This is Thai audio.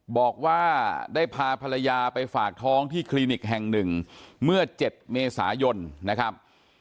บอกว่าได้พาภรรยาไปฝากท้องที่คลินิกแห่งหนึ่งเมื่อ๗เมษายนนะครับ